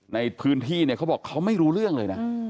ในพื้นที่เนี่ยเขาบอกเขาไม่รู้เรื่องเลยนะ